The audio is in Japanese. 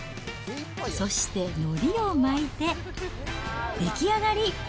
そしてのりを巻いて、出来上がり。